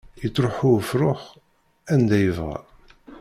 Yettruḥu ufrux anda yebɣa.